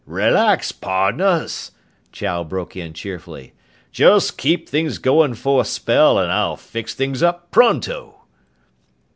"Relax, pardners!" Chow broke in cheerfully. "Just keep things goin' for a spell, an' I'll fix things up pronto!"